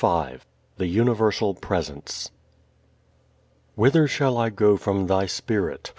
_ V The Universal Presence Whither shall I go from thy spirit?